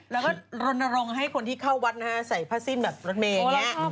แล้วก็รณรงค์ให้คนที่เข้าวัดนะฮะใส่ผ้าสิ้นแบบรถเมย์อย่างนี้